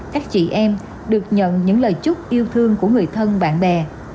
các chị em được nhận những lời chúc yêu thương của người thân bạn bè